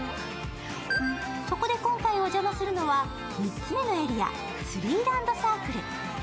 そこで今回お邪魔するのは３つ目のエリア、ツリーランドサークル。